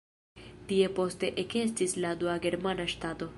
Tie poste ekestis la dua germana ŝtato.